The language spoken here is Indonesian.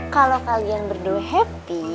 kalau kalian berdua happy